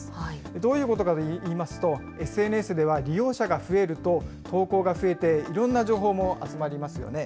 どういうことかといいますと、ＳＮＳでは利用者が増えると、投稿が増えて、いろんな情報も集まりますよね。